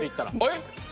えっ。